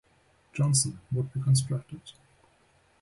Johnson, would be constructed.